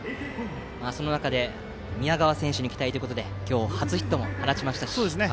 その中で宮川選手に期待ということで今日初ヒットも放ちましたし。